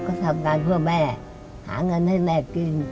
ก็ทำงานเพื่อแม่หาเงินให้แม่กิน